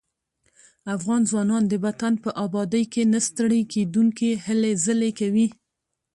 افغان ځوانان د وطن په ابادۍ کې نه ستړي کېدونکي هلې ځلې کوي.